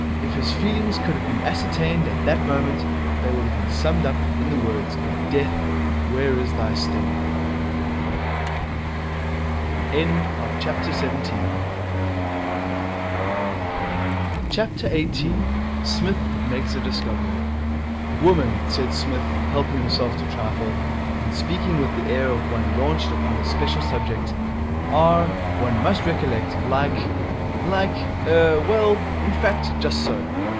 If his feelings could have been ascertained at that moment, they would have been summed up in the words, 'Death, where is thy sting?' 18. Psmith Makes a Discovery 'Women,' said Psmith, helping himself to trifle, and speaking with the air of one launched upon his special subject, 'are, one must recollect, like like er, well, in fact, just so.